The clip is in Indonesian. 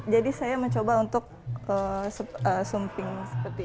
jadi saya mencoba untuk sumping seperti ini